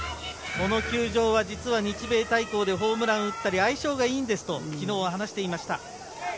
この球場は実は日米対抗でホームランを打ったり相性がいいんですと昨日は話していました。